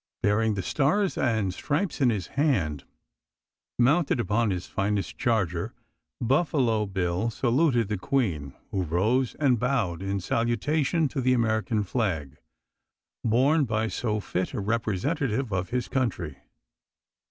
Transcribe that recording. Bearing the stars and stripes in his hand, mounted upon his finest charger, Buffalo Bill saluted the queen, who rose, and bowed in salutation to the American flag, borne by so fit a representative of his country.